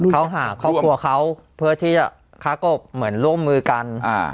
เขาหาครอบครัวเขาเพื่อที่จะค้ากบเหมือนร่วมมือกัน